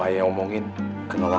ada pakcik sulam sama keluarganya